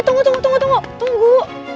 tunggu tunggu tunggu